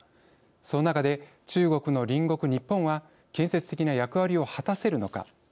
その中で中国の隣国、日本は建設的な役割を果たせるのか。